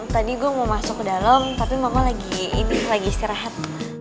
tadi gua mau masuk ke dalam tapi mama lagi istirahat